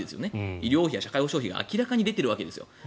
医療費や社会保障費が明らかに出ているわけです。